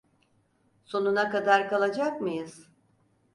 Sonuna kadar kalacak mıyız?